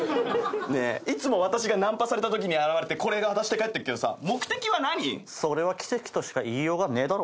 いつもナンパされたときに現れてこれ渡して帰るけど目的は何⁉それは奇跡としか言いようがねえだろ。